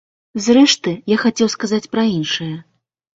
Зрэшты, я хацеў сказаць пра іншае.